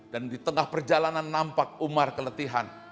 dan di tengah perjalanan nampak umar keletihan